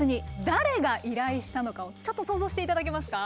誰が依頼したのかをちょっと想像して頂けますか？